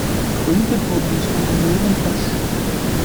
Gegründet wurde das Unternehmen von Sh.